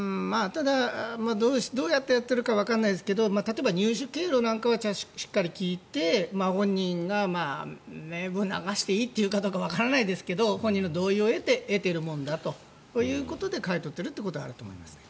ただどうやってやってるかわからないですけど例えば入手経路なんかはしっかり聞いて、本人が名簿を流していいと言うかどうかわかりませんが本人の同意を得て得ているものだということで買い取ってるということはあると思いますね。